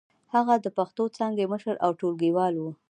هغه د پښتو څانګې مشر او ټولګيوال و.